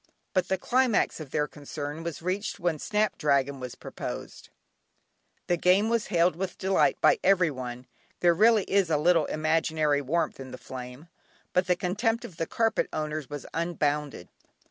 But the climax of their concern was reached when "Snap dragon" was proposed. The game was hailed with delight by every one (there really is a little imaginary warmth in the flame), but the contempt of the carpet owners was unbounded.